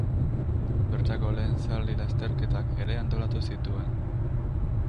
Bertako lehen zaldi-lasterketak ere antolatu zituen.